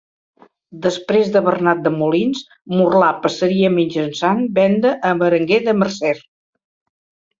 Després de Bernat de Molins, Murla passaria mitjançant venda a Berenguer de Mercer.